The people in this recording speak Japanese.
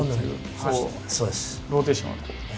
こうローテーション。